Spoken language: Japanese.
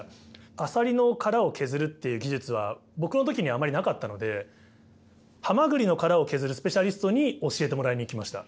アサリの殻を削るっていう技術は僕の時にあまりなかったのでハマグリの殻を削るスペシャリストに教えてもらいに行きました。